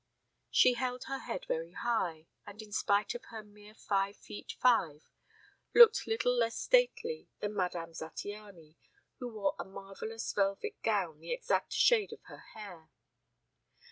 She held her head very high, and in spite of her mere five feet five, looked little less stately than Madame Zattiany, who wore a marvellous velvet gown the exact shade of her hair.